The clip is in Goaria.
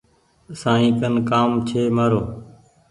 سائين ڪن ڪآم ڇي مآرو ۔